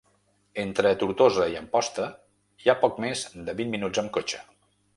Entre Tortosa i Amposta hi ha poc més de vint minuts amb cotxe